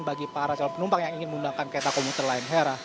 bagi para calon penumpang yang ingin menggunakan kereta komuter lain hera